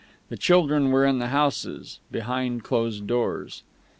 The children were in the houses, behind closed doors.